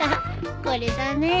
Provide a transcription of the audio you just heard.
これだね。